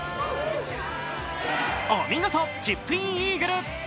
お見事、チップインイーグル。